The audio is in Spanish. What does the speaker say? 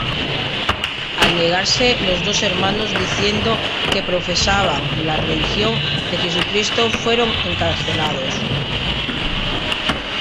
Al negarse los dos hermanos diciendo que profesaban la religión de Jesucristo fueron encarcelados.